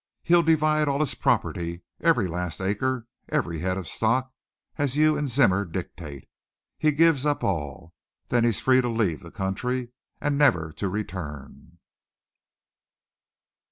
He'll divide all his property, every last acre, every head of stock as you and Zimmer dictate. He gives up all. Then he's free to leave the country, and he's never to return."